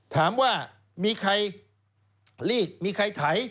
ถามว่ามีใครรีดมีใครไถ